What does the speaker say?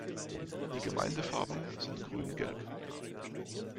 Die Gemeindefarben sind Grün-Gelb.